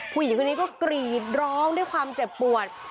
ผู้หญิงคนนี้ก็กรีดร้องด้วยความเจ็บปวด